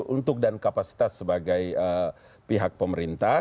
untuk dan kapasitas sebagai pihak pemerintah